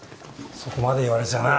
そこまで言われちゃな。